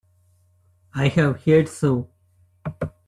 I have heard so.